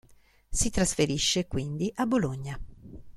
Si trasferisce, quindi, a Bologna.